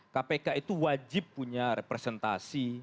kpk itu wajib punya representasi